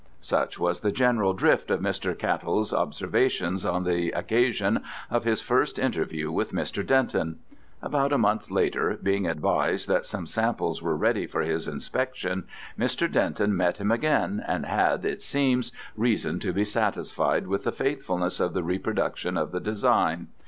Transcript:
Such was the general drift of Mr. Cattell's observations on the occasion of his first interview with Mr. Denton. About a month later, being advised that some samples were ready for his inspection, Mr. Denton met him again, and had, it seems, reason to be satisfied with the faithfulness of the reproduction of the design.